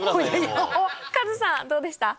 カズさんどうでした？